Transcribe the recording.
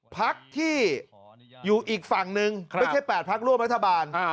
พักที่อยู่อีกฝั่งหนึ่งไม่ใช่๘พักร่วมรัฐบาล